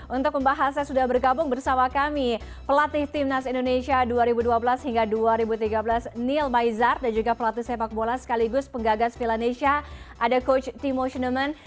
untuk pembahasnya sudah bergabung bersama kami pelatih timnas indonesia dua ribu dua belas hingga dua ribu tiga belas neil maizar dan juga pelatih sepak bola sekaligus penggagas vilanesha ada coach timo sinuman